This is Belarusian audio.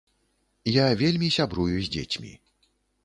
Я вельмі сябрую з дзецьмі.